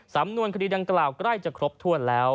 สำนวนคดีดังกล่าวใกล้จะครบถ้วนแล้ว